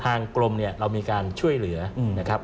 ทางกลมเรามีการช่วยเหลือนะครับ